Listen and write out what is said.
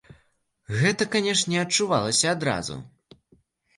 Гэта, канешне, адчувалася адразу.